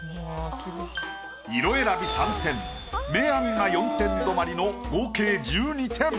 色選び３点明暗が４点止まりの合計１２点。